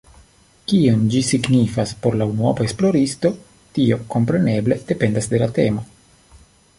Kion ĝi signifas por la unuopa esploristo, tio kompreneble dependas de la temo.